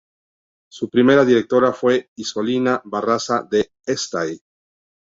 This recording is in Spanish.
Su primera directora fue Isolina Barraza de Estay.